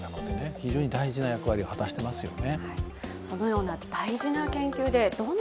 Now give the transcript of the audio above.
非常に大事な役割を果たしていますよね。